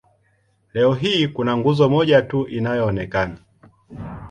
Leo hii kuna nguzo moja tu inayoonekana.